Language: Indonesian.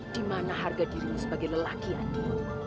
di mana harga dirimu sebagai lelaki andi